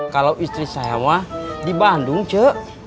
kalau istri saya mah di bandung cek